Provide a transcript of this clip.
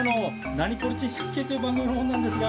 『ナニコレ珍百景』という番組の者なんですが。